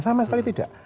sama sekali tidak